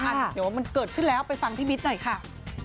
เดี๋ยวมันเกิดขึ้นแล้วไปฟังพี่มิดหน่อยค่ะ